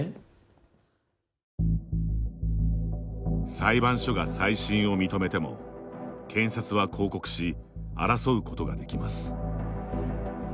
裁判所が再審を認めても検察は抗告し争うことができます。